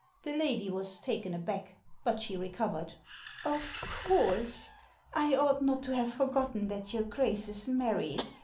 The lady was taken aback; but she recovered. Of course. I ought not to have forgotten that your Grace is married.